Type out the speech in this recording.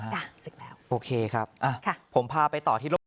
ศึกแล้วโอเคครับอ่ะค่ะผมพาไปต่อที่โลก